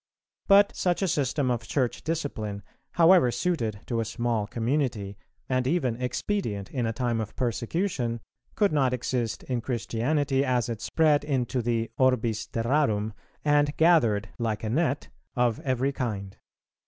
But such a system of Church discipline, however suited to a small community, and even expedient in a time of persecution, could not exist in Christianity, as it spread into the orbis terrarum, and gathered like a net of every kind.